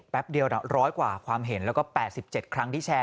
แป๊บเดียวน่ะร้อยกว่าความเห็นแล้วก็แปดสิบเจ็ดครั้งที่แชร์